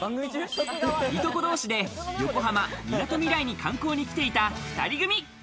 いとこ同士で横浜みなとみらいに観光に来ていた２人組。